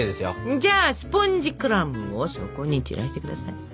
じゃあスポンジクラムを底に散らしてください。